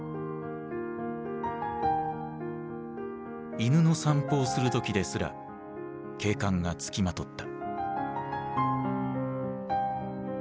犬の散歩をする時ですら警官が付きまとった。